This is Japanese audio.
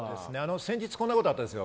先日こんなことがあったんです。